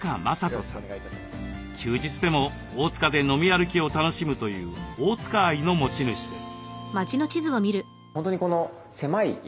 休日でも大塚で飲み歩きを楽しむという大塚愛の持ち主です。